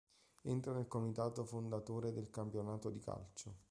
Entra nel comitato fondatore del campionato di calcio.